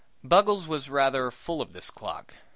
Buggles was rather full of this clock.